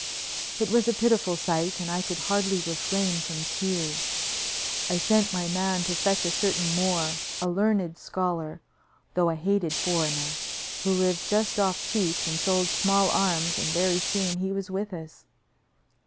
It was a pitiful sight, and I could hardly refrain from tears. I sent my man to fetch a certain Moor, a learned scholar, though a hated foreigner, who lived just off Cheap and sold small arms, and very soon he was with us.